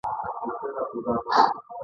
فزیک موږ ته ځوابونه او نوې پوښتنې ورکوي.